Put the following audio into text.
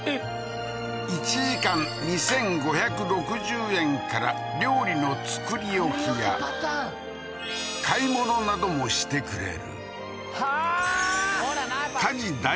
１時間２５６０円から料理の作り置きや作り置きパターン買い物などもしてくれるはあーほらな